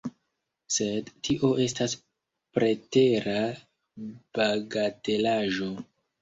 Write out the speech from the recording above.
Sed tio estas pretera bagatelaĵo.